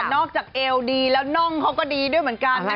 นอกจากเอวดีแล้วน่องเขาก็ดีด้วยเหมือนกันนะ